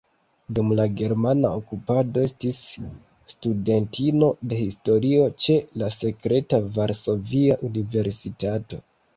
Dum la germana okupado estis studentino de historio ĉe la sekreta Varsovia Universitato.